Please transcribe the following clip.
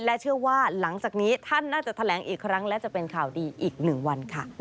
และเชื่อว่าหลังจากนี้ท่านน่าจะแถลงอีกครั้งและจะเป็นข่าวดีอีก๑วันค่ะ